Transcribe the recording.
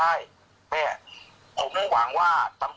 แม่ยังคงมั่นใจและก็มีความหวังในการทำงานของเจ้าหน้าที่ตำรวจค่ะ